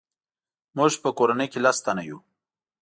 موږ په کورنۍ کې لس تنه یو.